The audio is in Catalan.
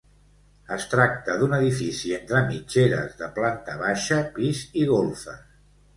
Es tracta d'un edifici entre mitgeres de planta baixa, pis i golfes.